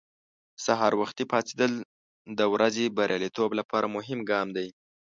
سهار وختي پاڅېدل د ورځې بریالیتوب لپاره مهم ګام دی.